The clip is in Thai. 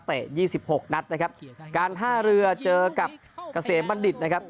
ยี่สิบหกนัดนะครับการท่าเรือเจอกับเกษมบัณฑิตนะครับ